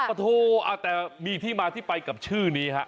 โอ้โหแต่มีที่มาที่ไปกับชื่อนี้ฮะ